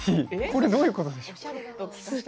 これはどういうことでしょう。